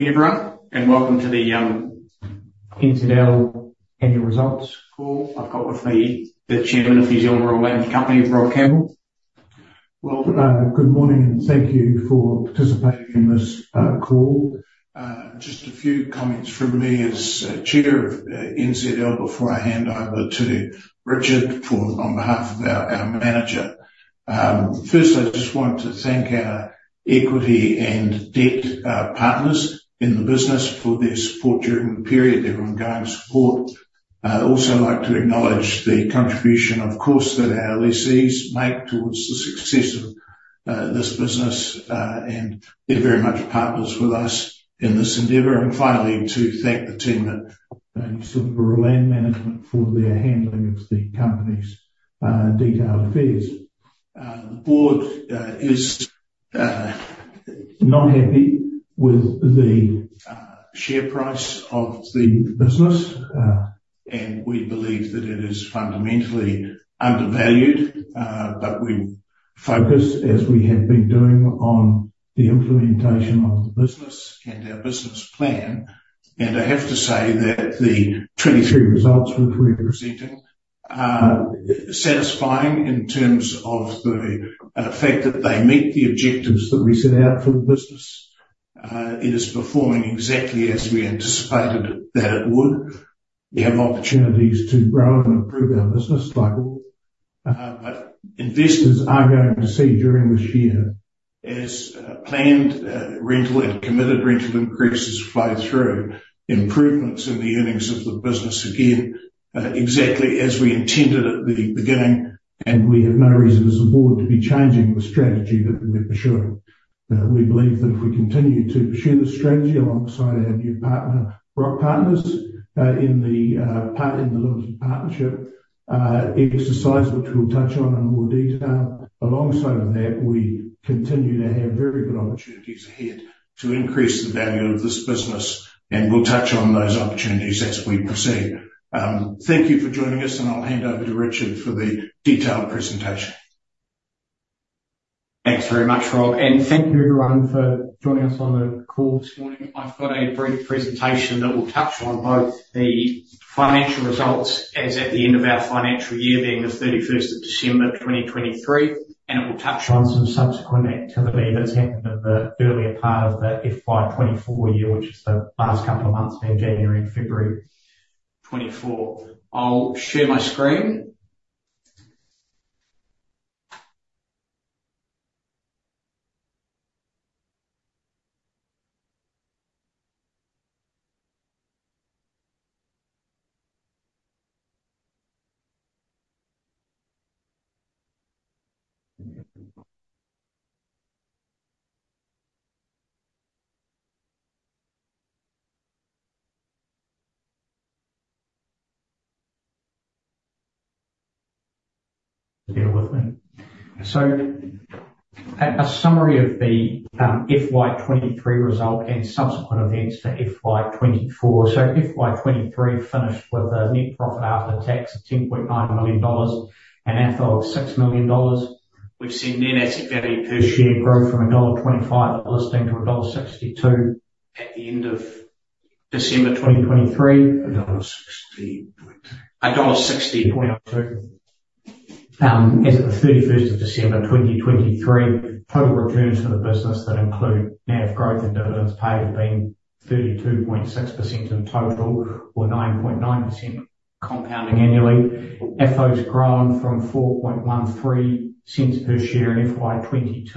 Good evening everyone, and welcome to the, NZL Annual Results Call. I've got with me the Chairman of New Zealand Rural Land Company, Rob Campbell. Well, good morning, and thank you for participating in this call. Just a few comments from me as Chair of NZL before I hand over to Richard on behalf of our our manager. First, I just want to thank our equity and debt partners in the business for their support during the period, their ongoing support. Also like to acknowledge the contribution, of course, that our lessees make towards the success of this business, and they're very much partners with us in this endeavour. And finally, to thank the team at New Zealand Rural Land Management for their handling of the company's detailed affairs. The board is not happy with the share price of the business, and we believe that it is fundamentally undervalued. But we will focus, as we have been doing, on the implementation of the business and our business plan. I have to say that the 2023 results which we are presenting, satisfying in terms of the fact that they meet the objectives that we set out for the business. It is performing exactly as we anticipated that it would. We have opportunities to grow and improve our business, like all, but investors are going to see during this year, as planned, rental and committed rental increases flow through, improvements in the earnings of the business again, exactly as we intended at the beginning. We have no reason as a board to be changing the strategy that we're pursuing. We believe that if we continue to pursue this strategy alongside our new partner, Roc Partners, in the part in the limited partnership exercise which we'll touch on in more detail, alongside of that, we continue to have very good opportunities ahead to increase the value of this business. We'll touch on those opportunities as we proceed. Thank you for joining us, and I'll hand over to Richard for the detailed presentation. Thanks very much, Rob, and thank you. Thank you, everyone, for joining us on the call this morning. I've got a brief presentation that will touch on both the financial results as at the end of our financial year being the 31st of December, 2023, and it will touch on some subsequent activity that's happened in the earlier part of the FY24 year, which is the last couple of months being January, February, 2024. I'll share my screen. Are you all with me? So, a summary of the FY23 result and subsequent events for FY24. So FY23 finished with a net profit after tax of 10.9 million dollars and an AFFO of 6 million dollars. We've seen net asset value per share grow from NZD 1.25 at listing to dollar 1.62 at the end of December, 2023. $1.60. $1.60. 1.6002. As of the 31st of December, 2023, total returns for the business that include NAV growth and dividends paid have been 32.6% in total or 9.9% compounding annually. AFFO has grown from 0.0413 per share in FY22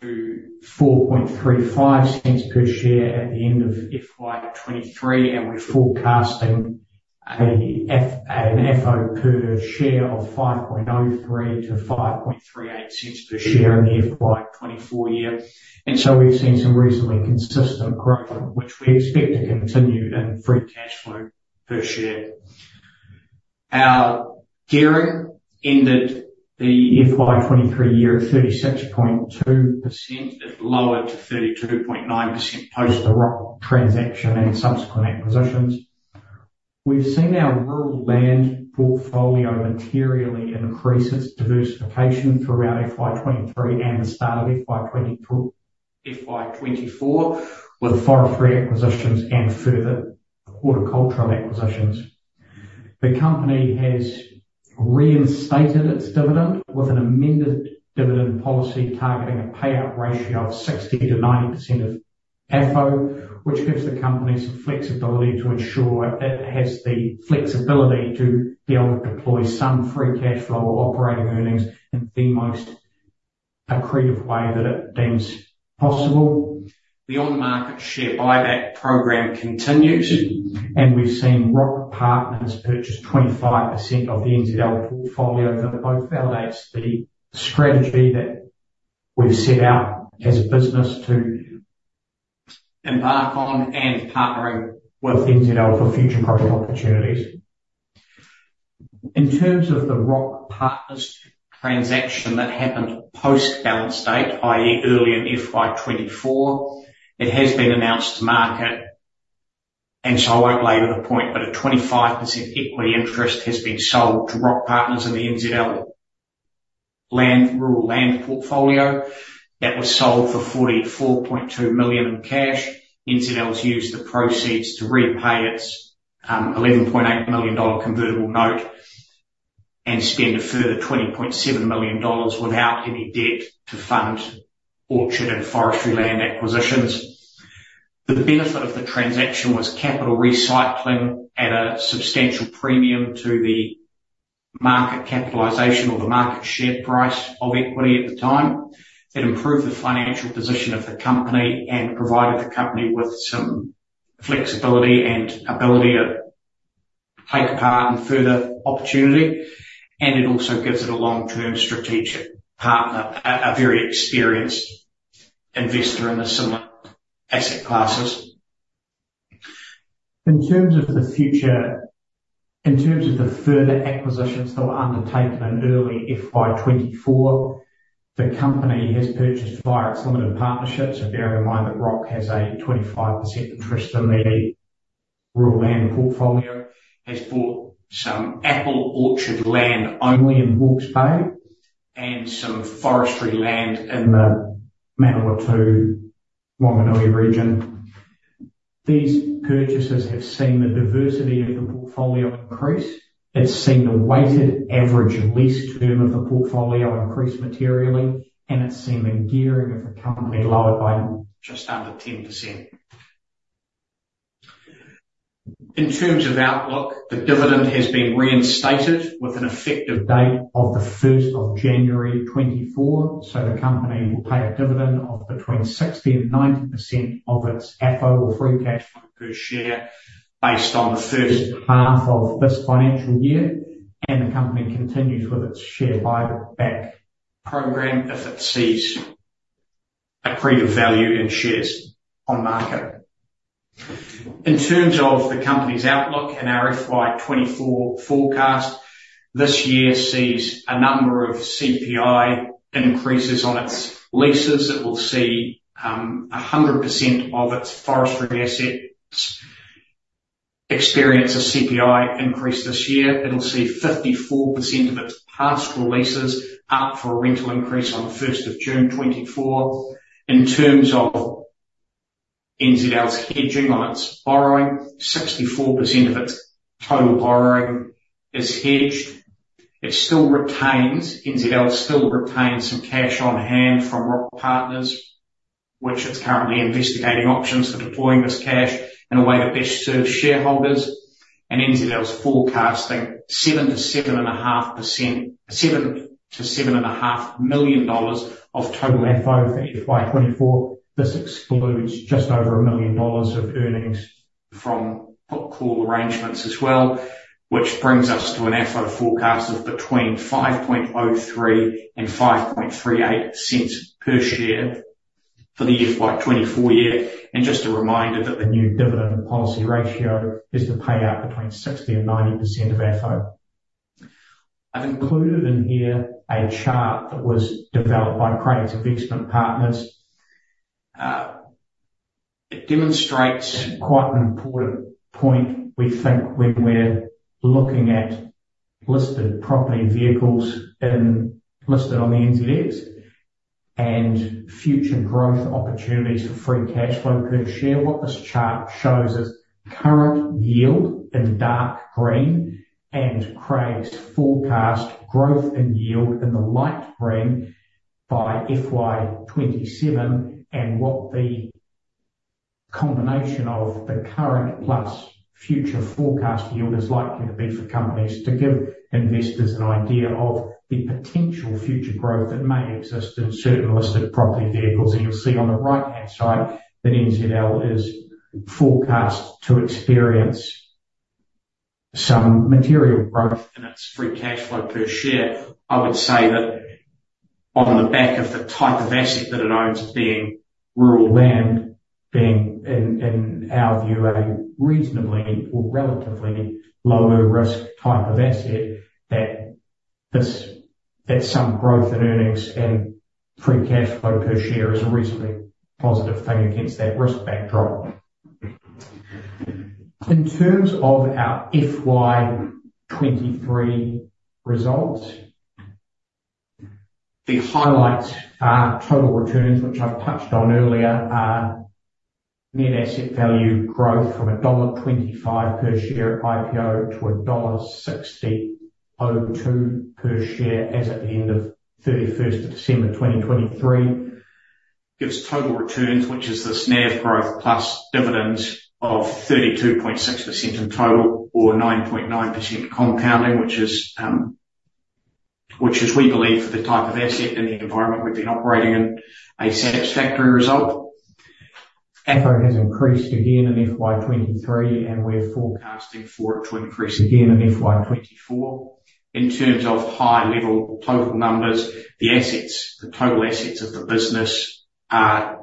to 0.0435 per share at the end of FY23, and we're forecasting an FY AFFO per share of 0.0503-0.0538 per share in the FY24 year. And so we've seen some reasonably consistent growth, which we expect to continue in free cash flow per share. Our gearing ended the FY23 year at 36.2%. It's lowered to 32.9% post the Roc transaction and subsequent acquisitions. We've seen our rural land portfolio materially increase its diversification throughout FY23 and the start of FY24, with forestry acquisitions and further horticultural acquisitions. The company has reinstated its dividend with an amended dividend policy targeting a payout ratio of 60%-90% of AFFO, which gives the company some flexibility to ensure it has the flexibility to be able to deploy some free cash flow or operating earnings in the most accretive way that it deems possible. The on-market share buyback program continues, and we've seen Roc Partners purchase 25% of the NZL portfolio, that both validates the strategy that we've set out as a business to embark on and partnering with NZL for future growth opportunities. In terms of the Roc Partners transaction that happened post balance date, i.e., early in FY24, it has been announced to market, and so I won't label the point, but a 25% equity interest has been sold to Roc Partners in the NZL land rural land portfolio. That was sold for 44.2 million in cash. NZL's used the proceeds to repay its $11.8 million convertible note and spend a further $20.7 million without any debt to fund orchard and forestry land acquisitions. The benefit of the transaction was capital recycling at a substantial premium to the market capitalization or the market share price of equity at the time. It improved the financial position of the company and provided the company with some flexibility and ability to take part in further opportunity. And it also gives it a long-term strategic partner, a very experienced investor in the similar asset classes. In terms of the future in terms of the further acquisitions that were undertaken in early FY24, the company has purchased via its limited partnership. So bear in mind that Roc has a 25% interest in the rural land portfolio. Has bought some apple orchard land only in Hawke's Bay and some forestry land in the Manawatū-Whanganui region. These purchases have seen the diversity of the portfolio increase. It's seen the weighted average lease term of the portfolio increase materially, and it's seen the gearing of the company lowered by just under 10%. In terms of outlook, the dividend has been reinstated with an effective date of the 1st of January 2024. So the company will pay a dividend of between 60%-90% of its AFFO or free cash flow per share based on the first half of this financial year. And the company continues with its share buyback program if it sees accretive value in shares on market. In terms of the company's outlook and our FY24 forecast, this year sees a number of CPI increases on its leases. It will see 100% of its forestry assets experience a CPI increase this year. It'll see 54% of its pasture leases up for a rental increase on the 1st of June 2024. In terms of NZL's hedging on its borrowing, 64% of its total borrowing is hedged. It still retains some cash on hand from Roc Partners, which it's currently investigating options for deploying this cash in a way that best serves shareholders. And NZL's forecasting 7 to 7.5% 7-7.5 million dollars of total AFFO for FY24. This excludes just over 1 million dollars of earnings from put/call arrangements as well, which brings us to an AFFO forecast of between 0.0503 and 0.0538 per share for the FY24 year. Just a reminder that the new dividend policy ratio is to pay out between 60%-90% of AFFO. I've included in here a chart that was developed by Craigs Investment Partners. It demonstrates quite an important point, we think, when we're looking at listed property vehicles listed on the NZX and future growth opportunities for free cash flow per share. What this chart shows is current yield in dark green and Craigs' forecast growth in yield in the light green by FY27 and what the combination of the current plus future forecast yield is likely to be for companies to give investors an idea of the potential future growth that may exist in certain listed property vehicles. You'll see on the right-hand side that NZL is forecast to experience some material growth in its free cash flow per share. I would say that on the back of the type of asset that it owns being rural land, being in, in our view, a reasonably or relatively lower-risk type of asset, that this that some growth in earnings and free cash flow per share is a reasonably positive thing against that risk backdrop. In terms of our FY23 results, the highlights are total returns, which I've touched on earlier, are net asset value growth from dollar 1.25 per share at IPO to dollar 1.6002 per share as at the end of 31st of December, 2023. Gives total returns, which is the NAV growth plus dividends, of 32.6% in total or 9.9% compounding, which is, which is, we believe, for the type of asset in the environment we've been operating in, a satisfactory result. AFFO has increased again in FY23, and we're forecasting for it to increase again in FY24. In terms of high-level total numbers, the assets the total assets of the business are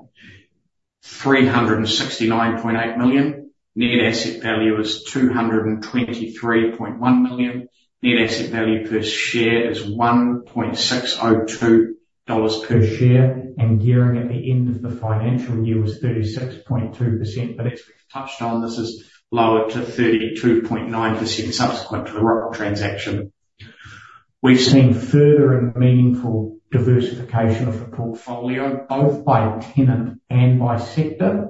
369.8 million. Net asset value is 223.1 million. Net asset value per share is NZD 1.602 per share. Gearing at the end of the financial year was 36.2%, but as we've touched on, this is lowered to 32.9% subsequent to the Roc transaction. We've seen further and meaningful diversification of the portfolio, both by tenant and by sector.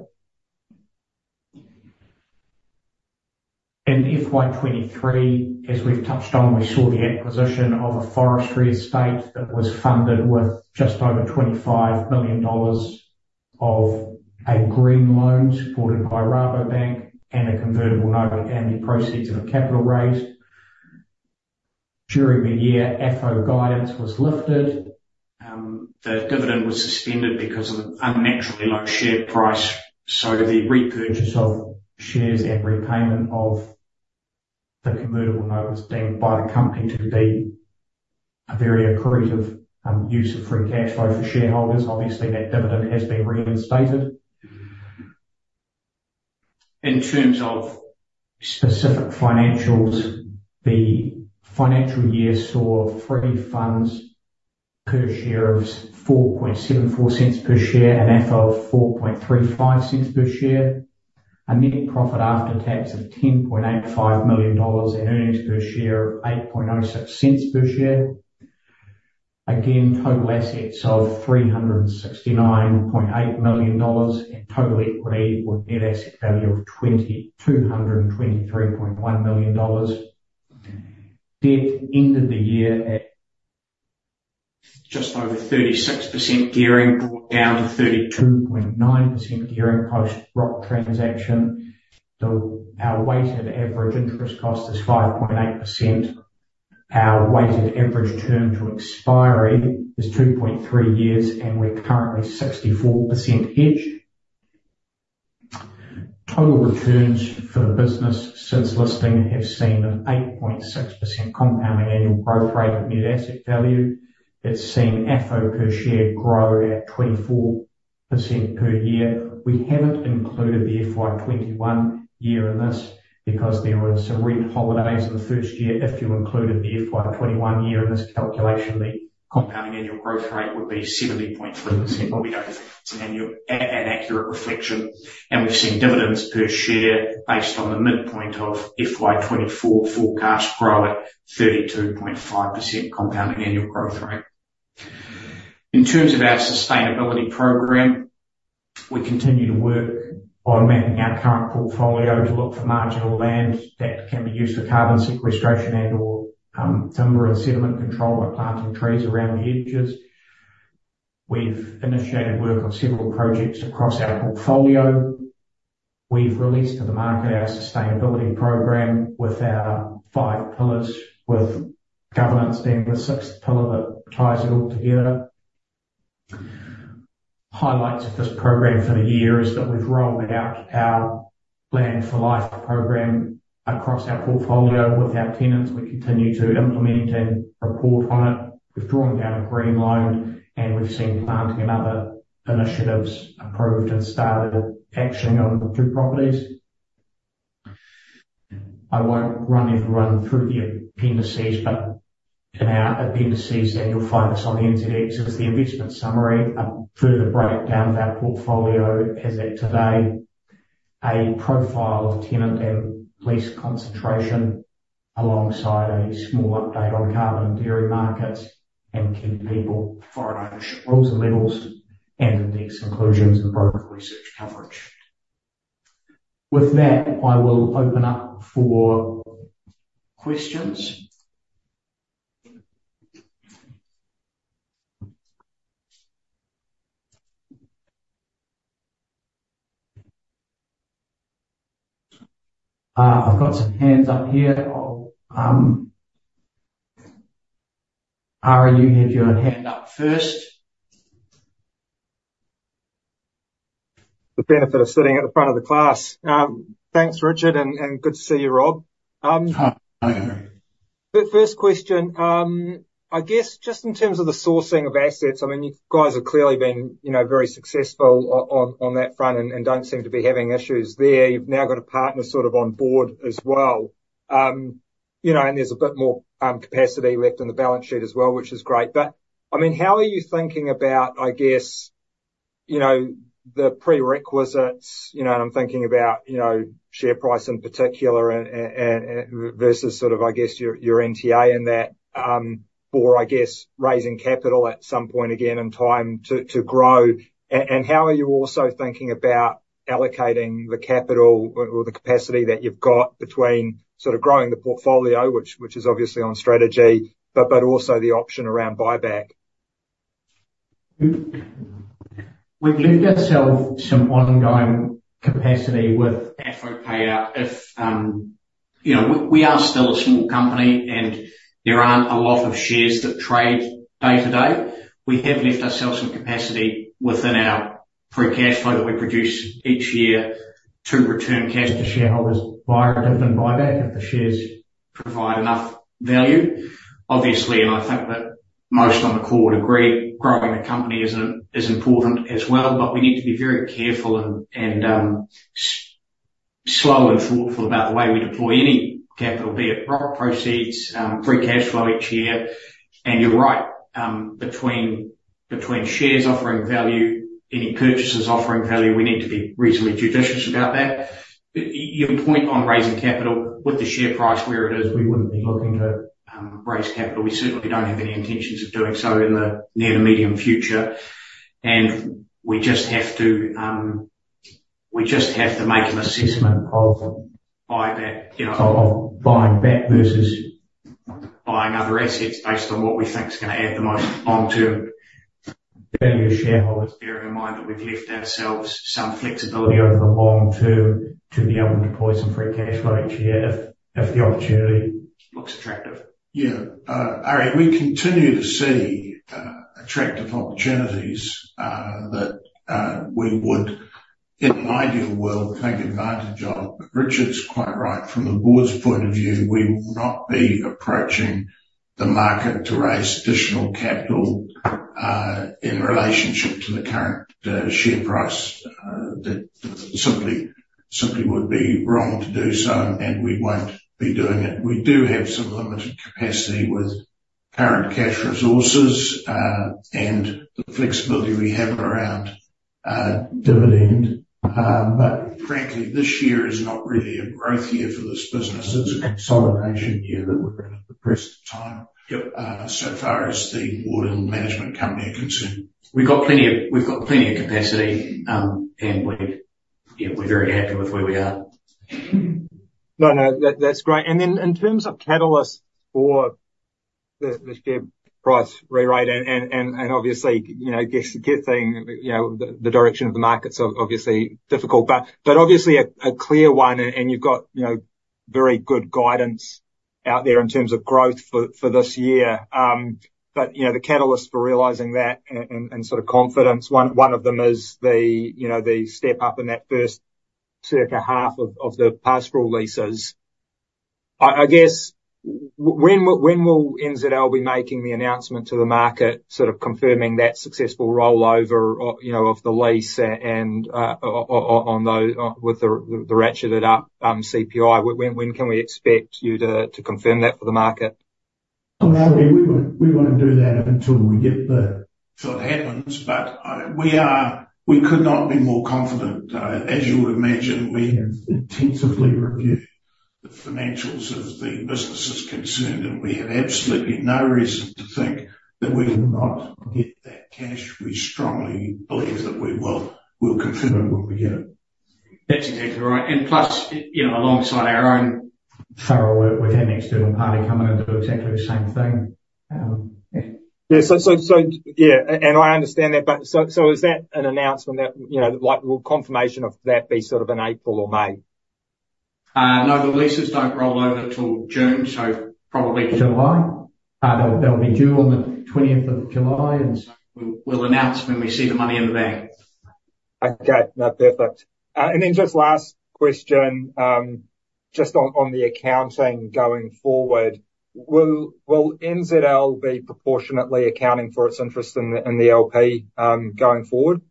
In FY23, as we've touched on, we saw the acquisition of a forestry estate that was funded with just over 25 million dollars of a green loan supported by Rabobank and a convertible note and the proceeds of a capital raise. During the year, AFFO guidance was lifted. The dividend was suspended because of an unnaturally low share price. So the repurchase of shares and repayment of the convertible note was deemed by the company to be a very accretive use of free cash flow for shareholders. Obviously, that dividend has been reinstated. In terms of specific financials, the financial year saw free funds per share of 0.0474 per share, an AFFO of 0.0435 per share, a net profit after tax of 10.85 million dollars, and earnings per share of 0.0806 per share. Again, total assets of 369.8 million dollars and total equity or net asset value of 223.1 million dollars. Debt ended the year at just over 36% gearing, brought down to 32.9% gearing post Roc transaction. Our weighted average interest cost is 5.8%. Our weighted average term to expiry is 2.3 years, and we're currently 64% hedged. Total returns for the business since listing have seen an 8.6% compounding annual growth rate of net asset value. It's seen AFFO per share grow at 24% per year. We haven't included the FY21 year in this because there were some rent holidays in the first year. If you included the FY21 year in this calculation, the compounding annual growth rate would be 70.3%, but we don't think it's an annual accurate reflection. We've seen dividends per share based on the midpoint of FY24 forecast grow at 32.5% compounding annual growth rate. In terms of our sustainability program, we continue to work on mapping our current portfolio to look for marginal land that can be used for carbon sequestration and/or timber and sediment control by planting trees around the hedges. We've initiated work on several projects across our portfolio. We've released to the market our sustainability program with our 5 pillars, with governance being the 6th pillar that ties it all together. Highlights of this program for the year is that we've rolled out our Land for Life program across our portfolio with our tenants. We continue to implement and report on it. We've drawn down a green loan, and we've seen planting and other initiatives approved and started actioning on the 2 properties. I won't run everyone through the appendices, but in our appendices, and you'll find this on the NZL's website, is the investment summary, a further breakdown of our portfolio as at today, a profile of tenant and lease concentration alongside a small update on carbon and dairy markets and key people foreign ownership rules and levels, and index inclusions and broker research coverage. With that, I will open up for questions. I've got some hands up here. I'll, Arie, you had your hand up first. The benefit of sitting at the front of the class. Thanks, Richard, and, and good to see you, Rob. Hi, Arie. First question. I guess just in terms of the sourcing of assets, I mean, you guys have clearly been, you know, very successful on, on that front and, and don't seem to be having issues there. You've now got a partner sort of on board as well. You know, and there's a bit more capacity left in the balance sheet as well, which is great. But, I mean, how are you thinking about, I guess, you know, the prerequisites, you know, and I'm thinking about, you know, share price in particular and, and, and, and versus sort of, I guess, your, your NTA in that, for, I guess, raising capital at some point again in time to, to grow. And how are you also thinking about allocating the capital or the capacity that you've got between sort of growing the portfolio, which is obviously on strategy, but also the option around buyback? We've left ourselves some ongoing capacity with AFFO payout if, you know, we are still a small company, and there aren't a lot of shares that trade day to day. We have left ourselves some capacity within our free cash flow that we produce each year to return cash to shareholders via dividend buyback if the shares provide enough value. Obviously, and I think that most on the call would agree, growing the company is an important as well, but we need to be very careful and slow and thoughtful about the way we deploy any capital, be it Roc proceeds, free cash flow each year. And you're right, between shares offering value, any purchases offering value, we need to be reasonably judicious about that. Your point on raising capital, with the share price where it is, we wouldn't be looking to raise capital. We certainly don't have any intentions of doing so in the near to medium future. We just have to, we just have to make an assessment of buyback, you know. of buying back versus buying other assets based on what we think's gonna add the most long-term value to shareholders, bearing in mind that we've left ourselves some flexibility over the long term to be able to deploy some free cash flow each year if the opportunity looks attractive. Yeah. Arie, we continue to see attractive opportunities that we would, in an ideal world, take advantage of. But Richard's quite right. From the board's point of view, we will not be approaching the market to raise additional capital in relationship to the current share price; that simply, simply would be wrong to do so, and we won't be doing it. We do have some limited capacity with current cash resources, and the flexibility we have around dividend. But frankly, this year is not really a growth year for this business. It's a consolidation year that we're in at the present time. Yep. So far as the board and management company are concerned. We've got plenty of capacity, and we've yeah, we're very happy with where we are. No, no. That's great. And then in terms of catalyst for the share price re-rate and obviously, you know, guess the key thing, you know, the direction of the market's obviously difficult. But obviously a clear one, and you've got, you know, very good guidance out there in terms of growth for this year. But, you know, the catalyst for realizing that and sort of confidence, one of them is the, you know, the step up in that first circa half of the past four leases. I guess when will NZL be making the announcement to the market, sort of confirming that successful rollover, you know, of the lease and on those with the ratcheted up CPI? When can we expect you to confirm that for the market? Arie, we won't do that until we get the. So it happens, but we could not be more confident. As you would imagine, we have intensively reviewed the financials of the businesses concerned, and we have absolutely no reason to think that we will not get that cash. We strongly believe that we will. We'll confirm it when we get it. That's exactly right. And plus, you know, alongside our own. Thorough work. We've had an external party come in and do exactly the same thing. Yeah. Yeah. So, yeah. And I understand that, but so, is that an announcement that, you know, like, will confirmation of that be sort of in April or May? No. The leases don't roll over till June, so probably. July. They'll be due on the 20th of July, and so we'll announce when we see the money in the bank. Okay. No, perfect. Then just last question, just on the accounting going forward, will NZL be proportionately accounting for its interest in the LP, going forward?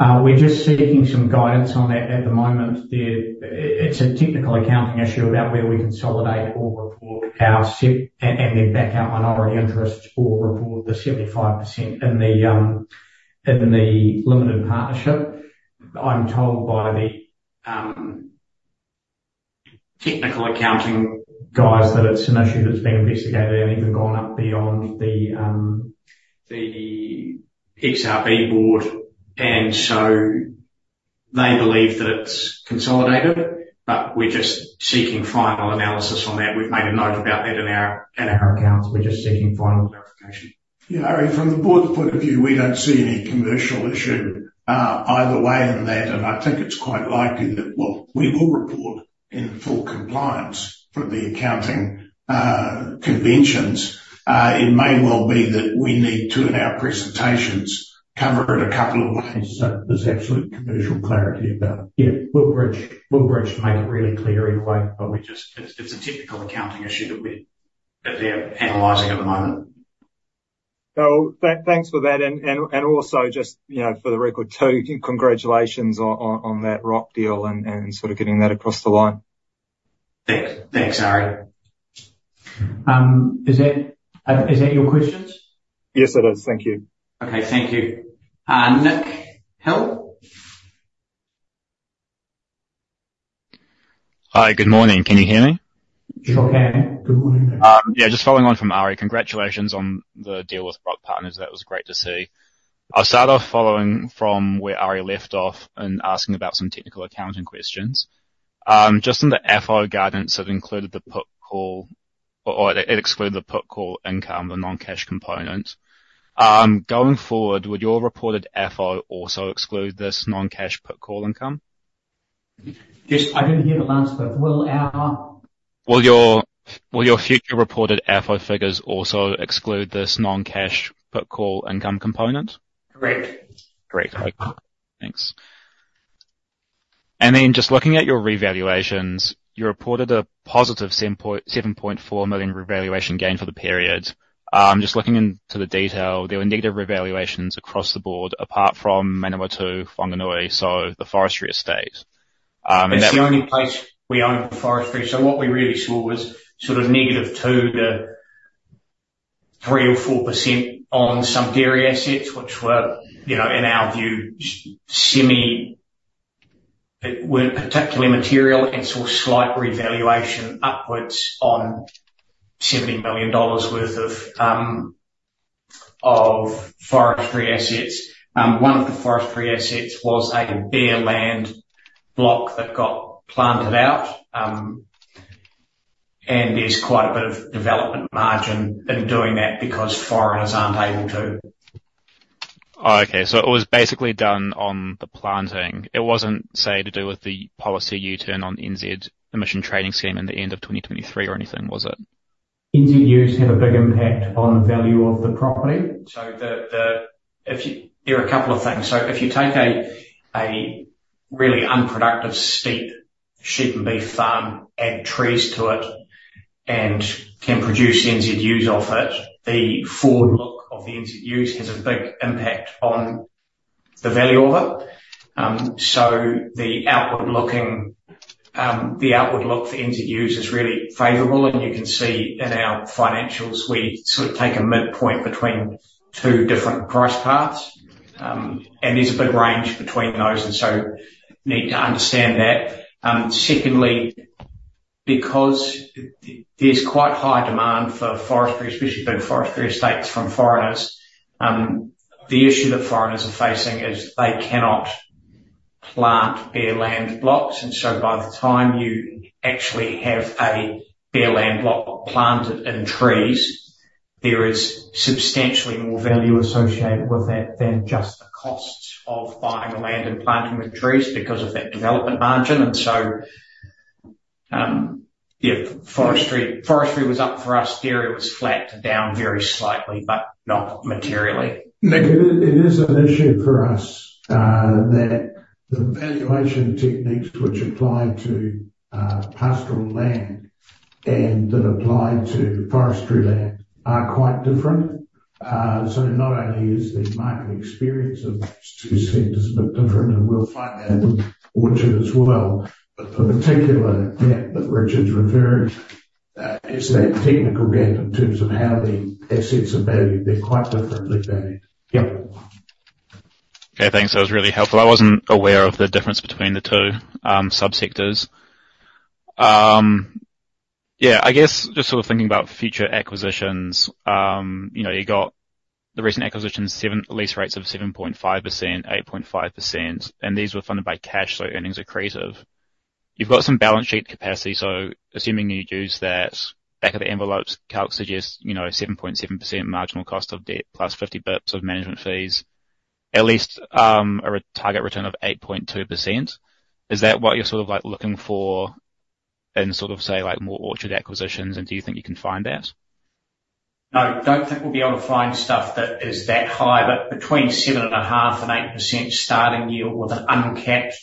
We're just seeking some guidance on that at the moment. It's a technical accounting issue about where we consolidate or report our and then back out minority interests or report the 75% in the, in the limited partnership. I'm told by the technical accounting guys that it's an issue that's been investigated and even gone up beyond the XRB Board. And so they believe that it's consolidated, but we're just seeking final analysis on that. We've made a note about that in our accounts. We're just seeking final verification. Yeah. Arie, from the board's point of view, we don't see any commercial issue, either way in that. And I think it's quite likely that, well, we will report in full compliance for the accounting conventions. It may well be that we need to, in our presentations, cover it a couple of ways. So there's absolute commercial clarity about it. Yeah. We'll bridge to make it really clear anyway, but it's a technical accounting issue that they're analyzing at the moment. So thanks for that. And also just, you know, for the record too, congratulations on that Roc deal and sort of getting that across the line. Thanks. Thanks, Arie. Is that a? Is that your questions? Yes, it is. Thank you. Okay. Thank you. Nick Hill. Hi. Good morning. Can you hear me? Sure can. Good morning, Nick. Yeah. Just following on from Arie. Congratulations on the deal with Roc Partners. That was great to see. I'll start off following from where Arie left off and asking about some technical accounting questions. Just in the AFFO guidance that included the put/call option, it excluded the put/call income, the non-cash component. Going forward, would your reported AFFO also exclude this non-cash put/call income? Just, I didn't hear the last bit. Will our. Will your future reported AFFO figures also exclude this non-cash put/call income component? Correct. Great. Okay. Thanks. And then just looking at your revaluations, you reported a positive 7.4 million revaluation gain for the period. Just looking into the detail, there were negative revaluations across the board apart from Manawatū-Whanganui, so the forestry estates. And that. It's the only place we own forestry. So what we really saw was sort of negative 2%-3% or 4% on some dairy assets, which were, you know, in our view, that weren't particularly material and saw slight revaluation upwards on 70 million dollars worth of forestry assets. One of the forestry assets was a bare land block that got planted out, and there's quite a bit of development margin in doing that because foreigners aren't able to. Oh, okay. So it was basically done on the planting. It wasn't, say, to do with the policy U-turn on NZ Emissions Trading Scheme in the end of 2023 or anything, was it? NZUs have a big impact on the value of the property. So, there are a couple of things. So if you take a really unproductive steep sheep and beef farm, add trees to it, and can produce NZUs off it, the forward look of the NZUs has a big impact on the value of it. So the outward looking, the outward look for NZUs is really favorable, and you can see in our financials, we sort of take a midpoint between two different price paths. And there's a big range between those, and so need to understand that. Secondly, because there's quite high demand for forestry, especially big forestry estates from foreigners, the issue that foreigners are facing is they cannot plant bare land blocks. And so by the time you actually have a bare land block planted in trees, there is substantially more value associated with that than just the costs of buying the land and planting with trees because of that development margin. And so, yeah, forestry forestry was up for us. Dairy was flat down very slightly but not materially. Nick, it is an issue for us that the valuation techniques which apply to pastoral land and that apply to forestry land are quite different. So not only is the market experience of those two sectors a bit different, and we'll find that in orchard as well, but the particular gap that Richard's referring to is that technical gap in terms of how the assets are valued. They're quite differently valued. Yep. Okay. Thanks. That was really helpful. I wasn't aware of the difference between the two subsectors. Yeah. I guess just sort of thinking about future acquisitions, you know, you've got the recent acquisitions yielding lease rates of 7.5%, 8.5%, and these were funded by cash, so earnings are accretive. You've got some balance sheet capacity, so assuming you'd use that, back-of-the-envelope calc suggests, you know, 7.7% marginal cost of debt plus 50 basis points of management fees, at least, an IRR target return of 8.2%. Is that what you're sort of, like, looking for in sort of, say, like, more orchard acquisitions, and do you think you can find that? No. Don't think we'll be able to find stuff that is that high, but between 7.5% and 8% starting yield with an uncapped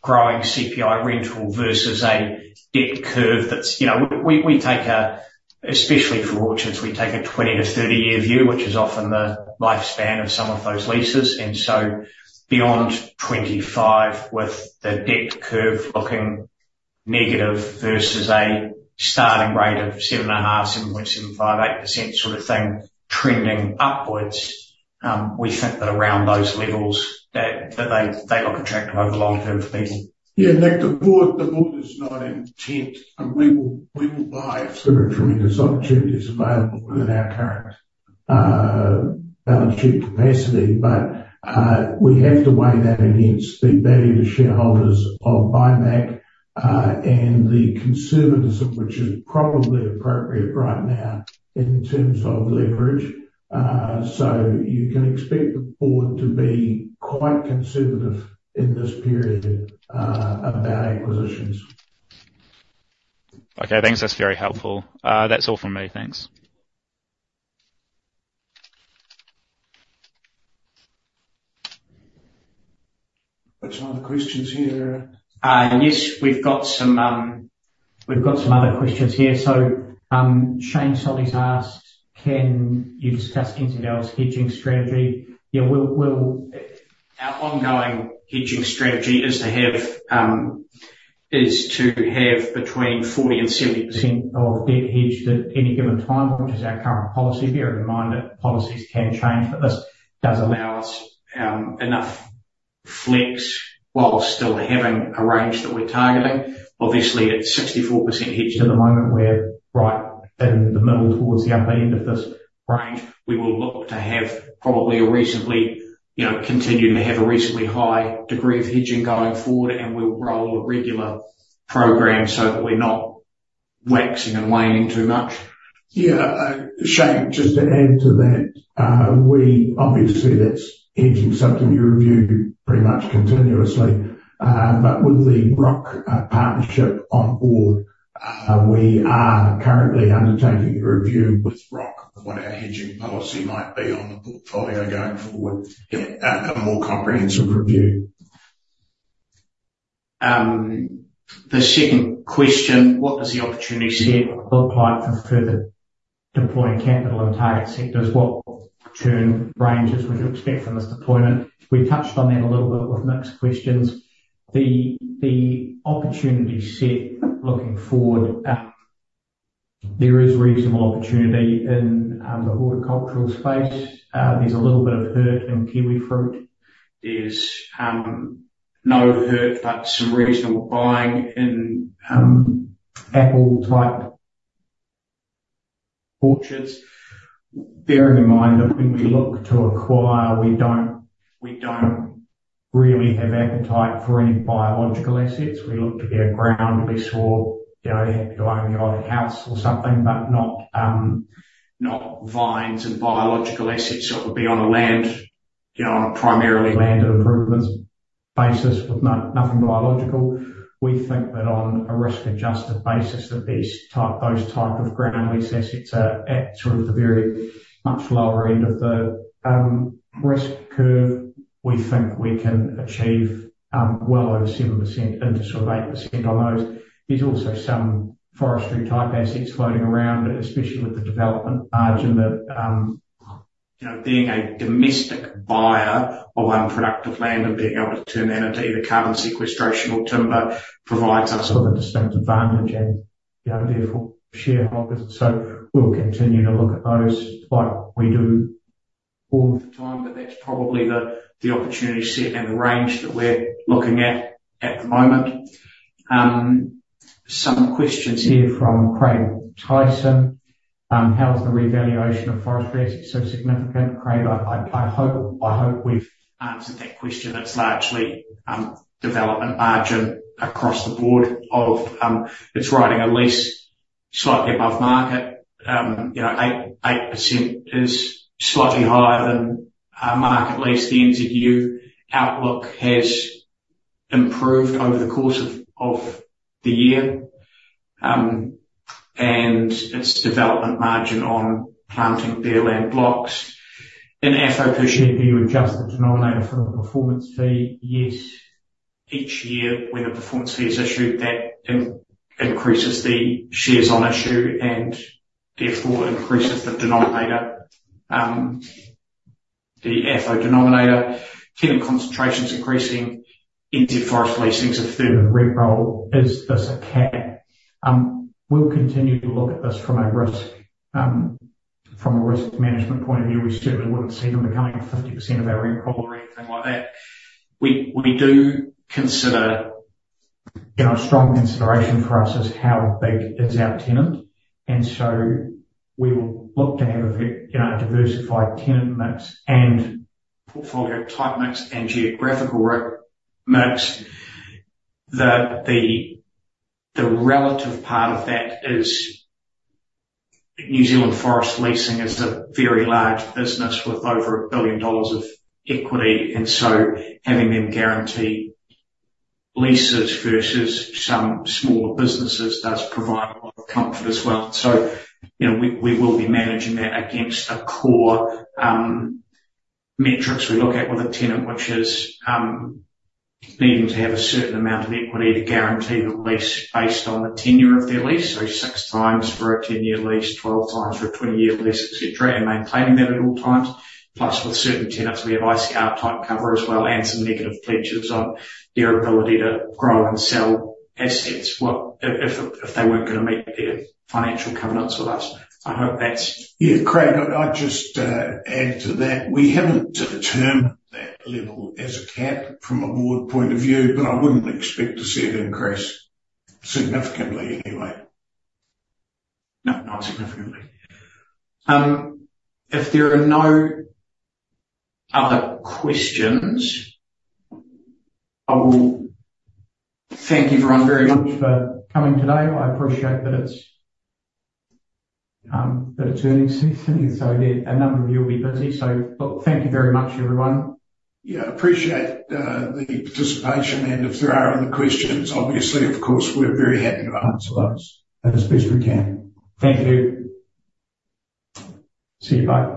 growing CPI rental versus a debt curve that's you know, we take, especially for Orchards, we take a 20-30-year view, which is often the lifespan of some of those leases. And so beyond 25 with the debt curve looking negative versus a starting rate of 7.5%, 7.75%, 8% sort of thing trending upwards, we think that around those levels, that they look attractive over the long term for people. Yeah. Nick, the board is not intending, and we will buy if there are tremendous opportunities available within our current balance sheet capacity. But we have to weigh that against the value to shareholders of buyback, and the conservatism, which is probably appropriate right now in terms of leverage. So you can expect the board to be quite conservative in this period about acquisitions. Okay. Thanks. That's very helpful. That's all from me. Thanks. Which other questions here? Yes. We've got some other questions here. So, Shane Solly's asked, "Can you discuss NZL's hedging strategy?" Yeah. Our ongoing hedging strategy is to have between 40% and 70% of debt hedged at any given time, which is our current policy. Bear in mind that policies can change, but this does allow us enough flex while still having a range that we're targeting. Obviously, at 64% hedged at the moment, we're right in the middle towards the upper end of this range. We will look to have probably recently, you know, continue to have a recently high degree of hedging going forward, and we'll roll a regular program so that we're not waxing and waning too much. Yeah. Shane, just to add to that, we obviously, that's hedging something you review pretty much continuously. But with the Roc partnership on board, we are currently undertaking a review with Roc of what our hedging policy might be on the portfolio going forward, a more comprehensive review. The second question, what does the opportunities here look like for further deploying capital in target sectors? What return ranges would you expect from this deployment? We touched on that a little bit with Nick's questions. The opportunity set looking forward, there is reasonable opportunity in the horticultural space. There's a little bit of hurt in kiwifruit. There's no hurt but some reasonable buying in apple-type orchards. Bearing in mind that when we look to acquire, we don't really have appetite for any biological assets. We look to be a ground. We saw, you know, you have to own your own house or something but not vines and biological assets that would be on a land, you know, on a primarily land improvements basis with nothing biological. We think that on a risk-adjusted basis, these types of ground lease assets are at sort of the very much lower end of the risk curve. We think we can achieve well over 7% into sort of 8% on those. There's also some forestry-type assets floating around, especially with the development margin that you know, being a domestic buyer of unproductive land and being able to turn that into either carbon sequestration or timber provides us. Sort of a distinct advantage, and, you know, therefore, shareholders. And so we'll continue to look at those like we do all of the time, but that's probably the opportunity set and the range that we're looking at at the moment. Some questions here from Craig Tyson. "How is the revaluation of forestry assets so significant?" Craig, I hope we've answered that question. It's largely development margin across the board of; it's writing a lease slightly above market. You know, 8% is slightly higher than market lease. The NZU outlook has improved over the course of the year. And it's development margin on planting bare land blocks. In FO per share, do you adjust the denominator for the performance fee? Yes. Each year when the performance fee is issued, that increases the shares on issue and therefore increases the denominator, the AFFO denominator. Tenant concentrations increasing. NZ Forest Leasing form the rent roll. Is this a cap? We'll continue to look at this from a risk, from a risk management point of view. We certainly wouldn't see them becoming 50% of our rent roll or anything like that. We, we do consider you know, strong consideration for us is how big is our tenant. And so we will look to have a very you know, a diversified tenant mix and portfolio-type mix and geographical rent mix that the, the relative part of that is New Zealand Forest Leasing is a very large business with over 1 billion dollars of equity. And so having them guarantee leases versus some smaller businesses does provide a lot of comfort as well. You know, we will be managing that against the core metrics we look at with a tenant, which is needing to have a certain amount of equity to guarantee the lease based on the tenure of their lease, so 6 times for a 10-year lease, 12 times for a 20-year lease, etc., and maintaining that at all times. Plus, with certain tenants, we have ICR-type cover as well and some negative pledges on their ability to grow and sell assets if they weren't gonna meet their financial covenants with us. I hope that's. Yeah. Craig, I just add to that. We haven't determined that level as a cap from a board point of view, but I wouldn't expect to see it increase significantly anyway. No. Not significantly. If there are no other questions, I will thank everyone very much for coming today. I appreciate that it's earnings season. And so yeah, a number of you will be busy. So thank you very much, everyone. Yeah. Appreciate the participation. If there are other questions, obviously, of course, we're very happy to answer those as best we can. Thank you. See you bye.